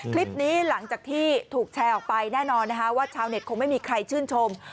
คลิปนี้หลังจากที่ถูกแชร์ออกไปแน่นอนนะคะว่าชาวเน็ตคงไม่มีใครชื่นชม